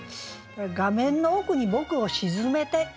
「画面の奥に僕を沈めて」。